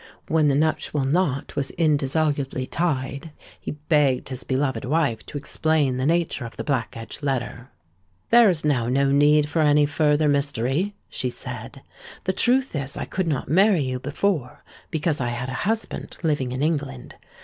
When the nuptial knot was indissolubly tied, he begged his beloved wife to explain the nature of the black edged letter. 'There is now no need for any further mystery,' she said, '_The truth is, I could not marry you before, because I had a husband living in England.